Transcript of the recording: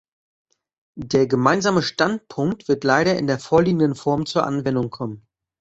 Der Gemeinsame Standpunkt wird leider in der vorliegenden Form zur Anwendung kommen.